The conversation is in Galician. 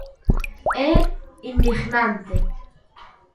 ¡É indignante!